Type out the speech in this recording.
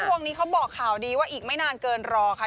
เขาบอกข่าวดีว่าอีกไม่นานเกินรอค่ะ